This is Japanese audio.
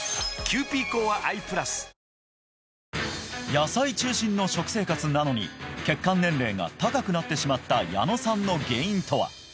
野菜中心の食生活なのに血管年齢が高くなってしまった矢野さんの原因とは？